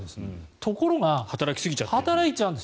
ところが、働いちゃうんです。